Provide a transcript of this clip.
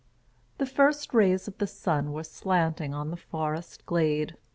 "[Pg 30] The first rays of the sun were slanting on the forest glade.